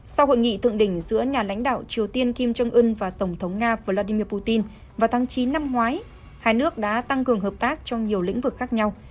sau hội nghị thượng đỉnh giữa nhà lãnh đạo triều tiên kim jong un và tổng thống nga vladimir putin vào tháng chín năm ngoái hai nước đã tăng cường hợp tác trong nhiều lĩnh vực khác nhau